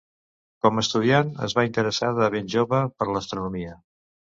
Com a estudiant, es va interessar de ben jove per l'astronomia.